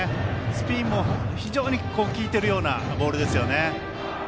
スピンも非常に効いているようなボールですね。